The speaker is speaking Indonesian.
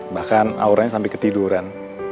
bahkan auranya sampe ketiduran